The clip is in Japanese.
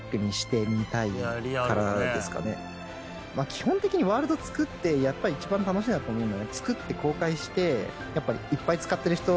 基本的にワールドを作ってやっぱり一番楽しいなと思うのは作って公開して。